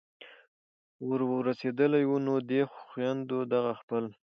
ور رسېدلي وو نو دې خویندو دغه خپل